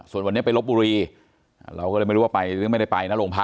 ส่วนวันนี้ไปลบบุรีเราก็เลยไม่รู้ว่าไปหรือไม่ได้ไปนะโรงพัก